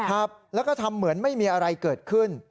ครับแล้วก็ทำเหมือนไม่มีอะไรเกิดขึ้น